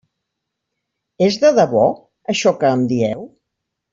És de debò això que em dieu?